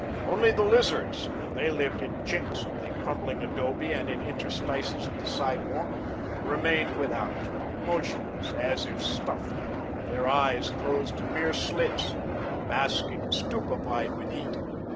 Only the lizards they lived in chinks of the crumbling adobe and in interstices of the sidewalk remained without, motionless, as if stuffed, their eyes closed to mere slits, basking, stupefied with heat.